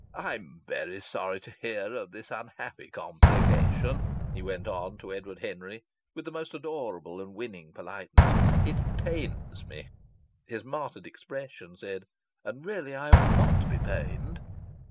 "I'm very sorry to hear of this unhappy complication," he went on to Edward Henry, with the most adorable and winning politeness. "It pains me." (His martyred expression said, "And really I ought not to be pained!")